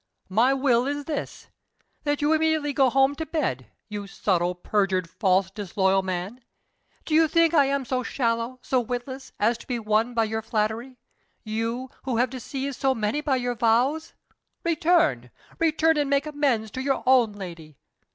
My will is this: that you immediately go home to bed, you subtle, perjured, false, disloyal man! Do you think I am so shallow, so witless, as to be won by your flattery you, who have deceived so many with your vows! Return, return, and make amends to your own lady.